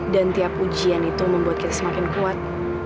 dan tiap ujian itu membuat kita semakin kuat